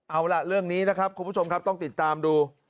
เอาล่ะเรื่องนี้นะครับคุณผู้ชมครับต้องติดตามดู